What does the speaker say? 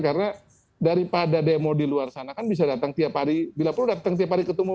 karena daripada demo di luar sana kan bisa datang tiap hari bila perlu datang tiap hari ketemu